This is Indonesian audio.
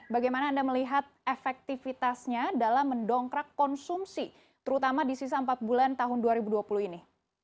bagaimana anda melihat efektivitasnya dalam mendongkrak konsumsi terutama di sisa empat bulan tahun dua ribu dua puluh ini